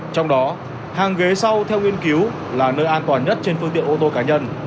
trong đó hàng ghế sau theo nghiên cứu là nơi an toàn nhất trên phương tiện ô tô cá nhân